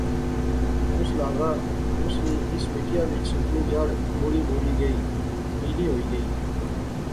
اس لاغا اس نی اس مٹیا وچ سکنی جڑ مڑی مولی گئی، نیلی ہوئی گئی